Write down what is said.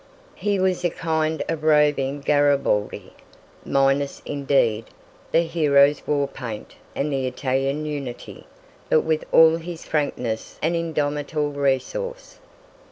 He was a kind of roving Garibaldi, minus, indeed, the hero's war paint and the Italian unity, but with all his frankness and indomitable resource.